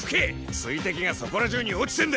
水滴がそこら中に落ちてんだよ！